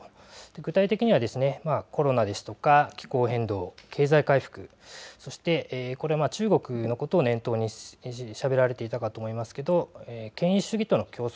具体的にはコロナですとか気候変動経済回復そして、これは中国のことを念頭にしゃべられていたかと思いますけど権威主義との競争